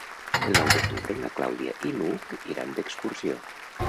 El nou d'octubre na Clàudia i n'Hug iran d'excursió.